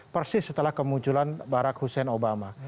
persis setelah kemunculan barak hussein obama